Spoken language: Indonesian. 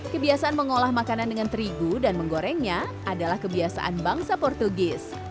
kebiasaan mengolah makanan dengan terigu dan menggorengnya adalah kebiasaan bangsa portugis